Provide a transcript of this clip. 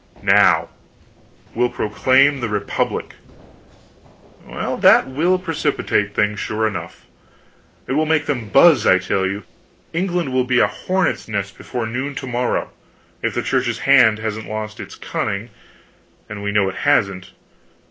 "Now! We'll proclaim the Republic." "Well, that will precipitate things, sure enough!" "It will make them buzz, I tell you! England will be a hornets' nest before noon to morrow, if the Church's hand hasn't lost its cunning and we know it hasn't.